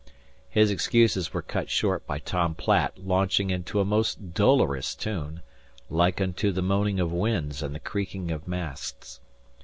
His excuses were cut short by Tom Platt launching into a most dolorous tune, like unto the moaning of winds and the creaking of masts.